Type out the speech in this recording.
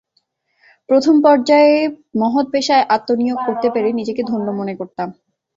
প্রথম পর্যায়ে মহৎ পেশায় আত্মনিয়োগ করতে পেরে নিজেকে ধন্য মনে করতাম।